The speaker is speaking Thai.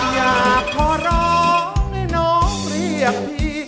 อยากขอร้องให้น้องเรียกพี่